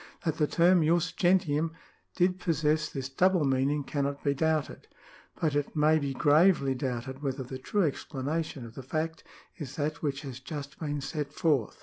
That the term jus gentixim did possess this double meaning cannot be doubted ; but it may be gravely doubted whether the true explanation of the fact is that which has just been set forth.